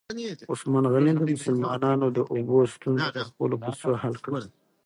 عثمان غني د مسلمانانو د اوبو ستونزه په خپلو پیسو حل کړه.